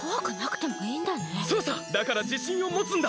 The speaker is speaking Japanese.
だからじしんをもつんだ！